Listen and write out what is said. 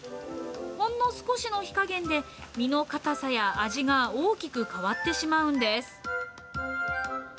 ほんの少しの火加減で、身の硬さや味が大きく変わってしまうんです。